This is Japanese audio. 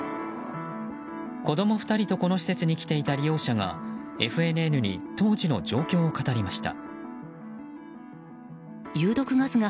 子供２人とこの施設に来ていた利用者がＦＮＮに当時の状況を語りました。